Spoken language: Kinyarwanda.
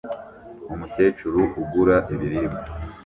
Umukecuru ugura ibiribwa